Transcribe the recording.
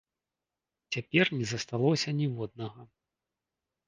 Цяпер не засталося ніводнага.